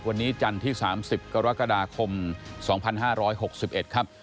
วันนี้จันทร์ที่๓๐กรกฎาคม๒๕๖๑ครับ